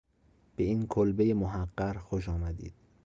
به این کلبه محقر خوش آمدید